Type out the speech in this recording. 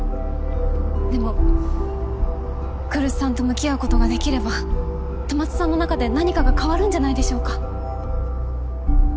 でも来栖さんと向き合うことができれば戸松さんの中で何かが変わるんじゃないでしょうか？